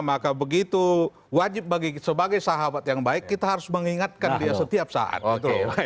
maka begitu wajib sebagai sahabat yang baik kita harus mengingatkan dia setiap saat gitu loh